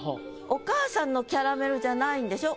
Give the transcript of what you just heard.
お母さんのキャラメルじゃないんでしょ？